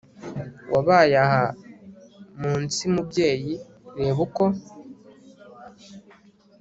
wabaye aha mu nsi mubyeyi; reba uko